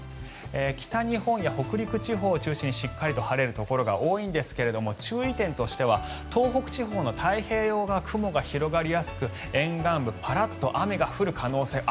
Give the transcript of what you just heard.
北日本や北陸地方を中心にしっかりと晴れるところが多いんですが注意点としては東北地方の太平洋側は雲が広がりやすく、沿岸部雨がパラッと降る可能性。